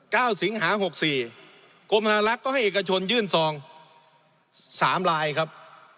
สิงหาหกสี่กรมหาลักษณ์ก็ให้เอกชนยื่นซองสามลายครับ